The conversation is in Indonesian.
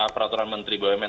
peraturan menteri bumn